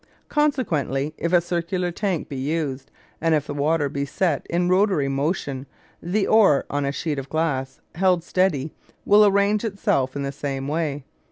Consequently, if a circular tank be used, and if the water be set in rotary motion, the ore on a sheet of glass, held steady, will arrange itself in the same way.